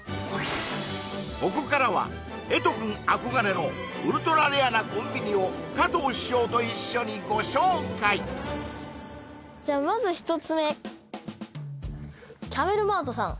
ここからは瑛都くん憧れのウルトラレアなコンビニを加藤師匠と一緒にご紹介じゃあまず１つ目キャメルマートさん